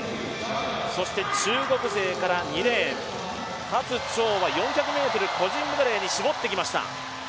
そして中国勢から２レーン葛チョウは４００ｍ個人メドレーに絞ってきました。